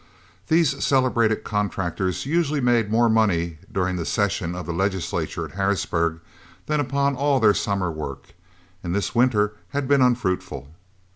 These celebrated contractors usually made more money during the session of the legislature at Harrisburg than upon all their summer work, and this winter had been unfruitful.